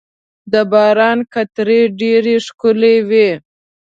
• د باران قطرې ډېرې ښکلي وي.